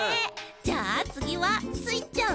じゃあつぎはスイちゃん！